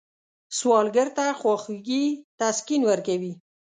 سوالګر ته خواخوږي تسکین ورکوي